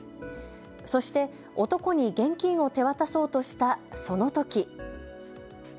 そして男に現金を手渡そうとしたそのとき。